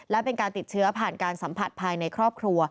และเป็นการติดเชื้อผ่านการสัมผัสภายในครอบครัว